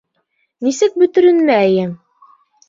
Нисек бөтөрөнмәйем?!